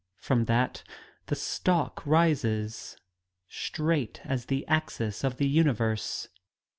From that the stalk rises, straight as the axis of the universe.